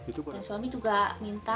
dan suami juga minta